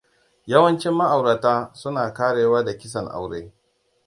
Yawancin ma'aurata suna ƙarewa da kisan aure.